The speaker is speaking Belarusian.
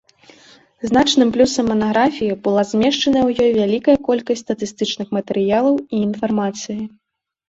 Значным плюсам манаграфіі была змешчаная ў ёй вялікая колькасць статыстычных матэрыялаў і інфармацыі.